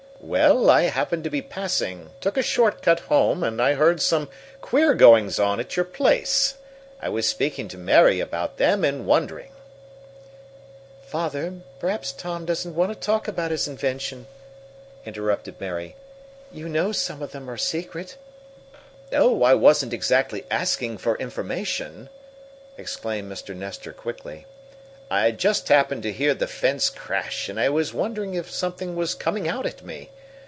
"Well, I happened to be passing took a short cut home and I heard some queer goings on at your place. I was speaking to Mary about them, and wondering " "Father, perhaps Tom doesn't want to talk about his inventions," interrupted Mary. "You know some of them are secret " "Oh, I wasn't exactly asking for information!" exclaimed Mr. Nestor quickly. "I just happened to hear the fence crash, and I was wondering if something was coming out at me.